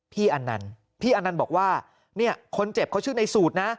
อันนั้นพี่อนันต์บอกว่าเนี่ยคนเจ็บเขาชื่อในสูตรนะ